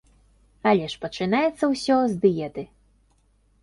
Але ж пачынаецца ўсё з дыеты.